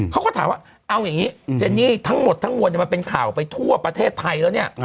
เขาก็ถามว่าเอาอย่างนี้เจนนี่ทั้งหมดทั้งมวลมันเป็นข่าวไปทั่วประเทศไทยแล้วเนี่ย